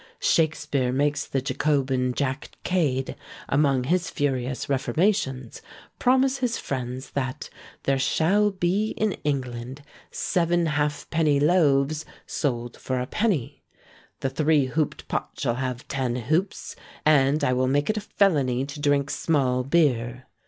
Shakspeare makes the Jacobin Jack Cade, among his furious reformations, promise his friends that "there shall be in England seven halfpenny loaves sold for a penny; the three hooped pot shall have ten hoops, and I will make it a felony to drink small beer."